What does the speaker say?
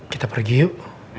kita pergi yuk